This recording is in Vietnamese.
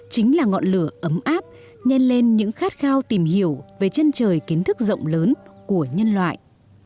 chính là ngọn lửa ấm áp nhn lên những khát khao tìm hiểu về chân trời kiến thức rộng lớn của nhân loại